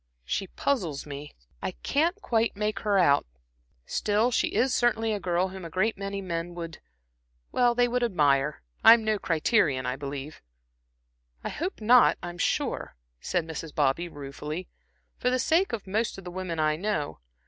She puzzles me; I can't quite make her out. Still, she is certainly a girl whom a great many men would would admire. I'm no criterion, I believe." "I hope not, I'm sure," said Mrs. Bobby, ruefully "for the sake of most of the women I know.